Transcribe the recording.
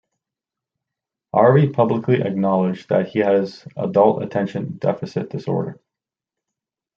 Eyre publicly acknowledged that he has adult attention-deficit disorder.